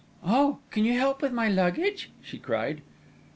"Oh, can you help with my luggage?" she cried.